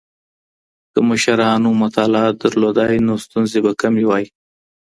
که مشرانو مطالعه درلودای نو ستونزې به کمې وې.